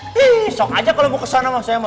ih sok aja kalo mau kesana mas